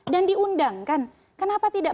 dan diundangkan kenapa tidak